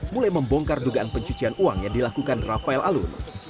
mulai membongkar dugaan pencucian uang yang dilakukan rafael alun